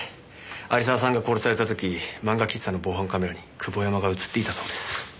有沢さんが殺された時漫画喫茶の防犯カメラに久保山が映っていたそうです。